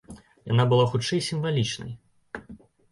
Яна была хутчэй сімвалічнай.